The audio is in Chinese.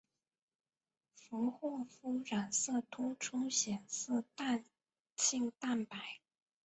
佛霍夫染色突出显示弹性蛋白。